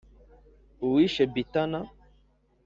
Uwishe Bitana